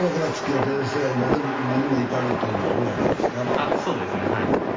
あっそうですねはい。